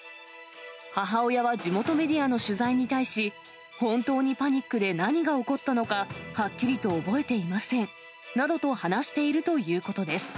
母親は地元メディアの取材に対し、本当にパニックで、何が起こったのか、はっきりと覚えていませんなどと話しているということです。